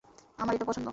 আমার এইটা পছন্দ।